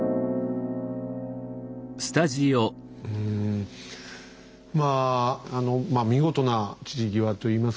うんまああの見事な散り際といいますかね。